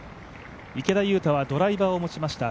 池田勇太はドライバーを持ちました。